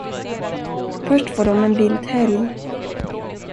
Först får de en vild helg.